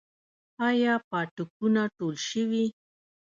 آیا پاټکونه ټول شوي؟